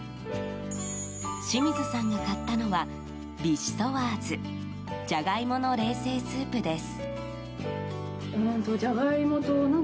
清水さんが買ったのはヴィシソワーズじゃがいもの冷製スープです。